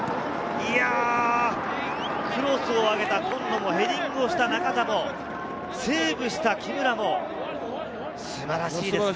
クロスを上げた今野もヘディングをした中田も、セーブした木村も素晴らしいですね。